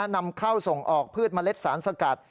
นำเข้าส่งออกพืชเมล็ดสารสกัด